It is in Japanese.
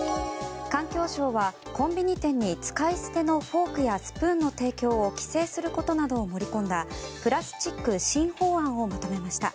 環境省はコンビニ店に使い捨てのフォークやスプーンの提供を規制する事などを盛り込んだプラスチック新法案をまとめました。